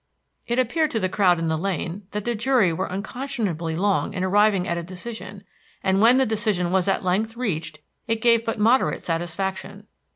It appeared to the crowd in the lane that the jury were unconscionably long in arriving at a decision, and when the decision was at length reached it gave but moderate satisfaction.